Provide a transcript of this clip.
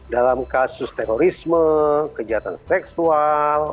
dalam kasus terorisme kejahatan seksual